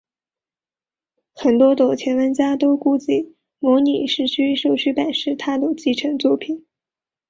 很多的前玩家都估计模拟市民社区版是它的继承作品。